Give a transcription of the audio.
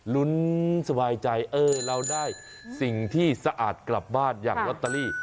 ลุ้นสบายใจเออเราได้สิ่งที่สะอาดกลับบ้านอย่างลอตเตอรี่